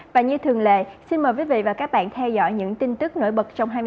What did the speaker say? và như thường lệ xin mời quý vị và các bạn theo dõi những tin tức nổi bật trong hai mươi bốn